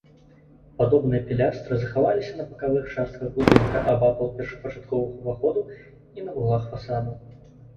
Падобныя пілястры захаваліся на бакавых частках будынка, абапал першапачатковых уваходаў, і на вуглах фасадаў.